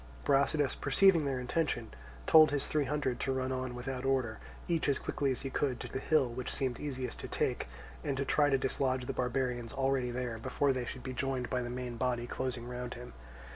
Brasidas, perceiving their intention, told his three hundred to run on without order, each as quickly as he could, to the hill which seemed easiest to take, and to try to dislodge the barbarians already there, before they should be joined by the main body closing round him.